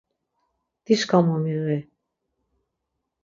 Dişǩa momiği.